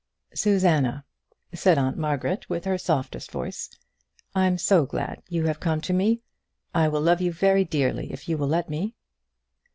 "Susanna," said Aunt Margaret, with her softest voice, "I'm so glad you have come to me. I will love you very dearly if you will let me."